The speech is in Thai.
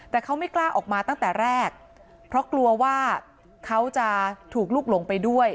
แต่เขาไม่กล้าออกมาตั้งแต่แรกเพราะกลัวว่าเขาจะถูกลุกหลงไปด้วย